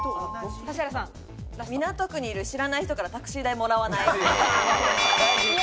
港区にいる知らない人からタクシー代もらわない。